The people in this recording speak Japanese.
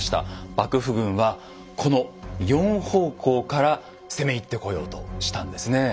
幕府軍はこの４方向から攻め入ってこようとしたんですね。